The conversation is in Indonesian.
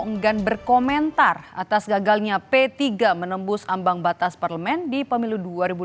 enggan berkomentar atas gagalnya p tiga menembus ambang batas parlemen di pemilu dua ribu dua puluh